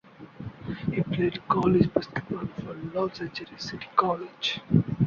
He played college basketball for Los Angeles City College.